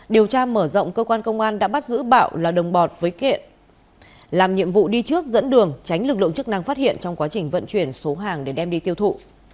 điều tra mở rộng cơ quan công an đã bắt giữ bạo là đồng bọt với kiện làm nhiệm vụ đi trước dẫn đường tránh lực lượng chức năng phát hiện trong quá trình vận chuyển số hàng để đem đi tiêu thụ